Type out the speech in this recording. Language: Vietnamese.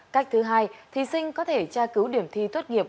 cách thứ hai thí sinh có thể tra cứu điểm thi tốt nghiệp